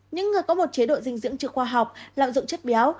những người có một chế độ dinh dưỡng chưa khoa học lạm dụng chất béo